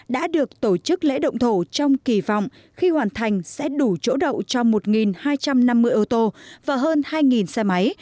đã được tổ chức lễ động thổ trong kỳ vọng khi hoàn thành sẽ đủ chỗ đậu cho một hai trăm năm mươi ô tô và hơn hai xe máy